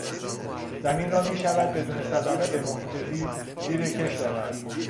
زمین را میشود بدون صدمه به محیط زیست زیر کشت آورد.